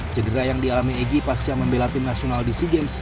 cedera yang dialami egy pasca membela tim nasional di sea games